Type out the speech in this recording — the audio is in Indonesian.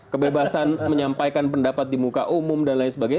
kebebasan menyampaikan pendapat di muka umum dan lain sebagainya